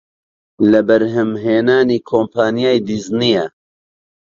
لە بەرهەمهێنانی کۆمپانیای دیزنییە